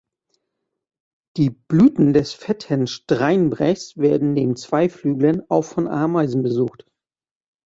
Die Blüten des Fetthennen-Streinbrechs werden neben Zweiflüglern auch von Ameisen besucht.